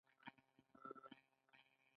هغوی یوځای د محبوب اواز له لارې سفر پیل کړ.